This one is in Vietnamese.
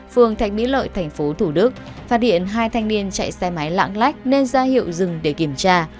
phường thạch mỹ lợi tp thủ đức phát hiện hai thanh niên chạy xe máy lãng lách nên ra hiệu dừng để kiểm tra